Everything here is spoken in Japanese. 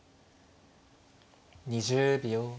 ２０秒。